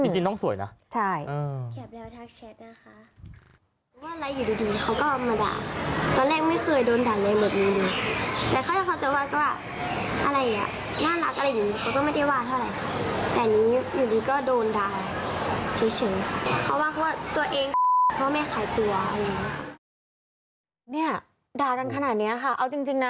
จริงน้องสวยนะใช่